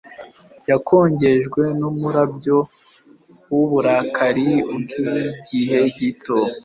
Yakongejwe numurabyo wuburakari bwigihe gito